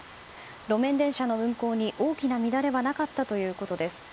路面電車の運行に大きな乱れはなかったということです。